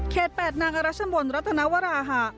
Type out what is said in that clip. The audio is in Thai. เขตแปดนางอรัชมนต์รัตนวราฮะ